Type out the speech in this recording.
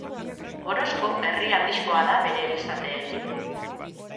Orozko herri handixkoa da bere elizateekin.